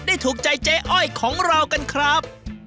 ถูกใจเจ๊อ้อยของเรากันครับ